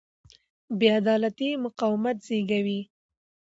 بې عدالتي مقاومت زېږوي